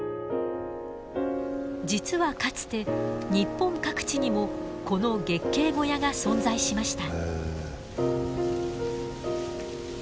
実はかつて日本各地にもこの月経小屋が存在しました。